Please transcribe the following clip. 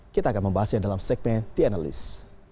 kita akan membahasnya dalam segmen the analyst